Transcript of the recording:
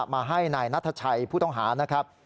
มาให้นายนัทชัยผู้ต้องหานะครับ